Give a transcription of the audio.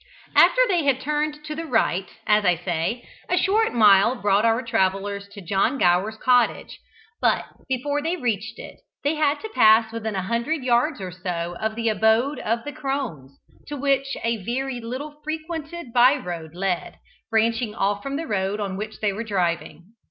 After they had turned to the right, as I say, a short mile brought our travellers to John Gower's cottage; but before they reached it, they had to pass within a hundred yards or so of the abode of the crones, to which a very little frequented by road led, branching off from the road on which they were driving.